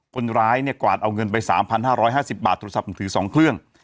คนร้ายเนี่ยกวาดเอาเงินไป๓๕๕๐บาทโทรศัพท์มือถือ๒เครื่อง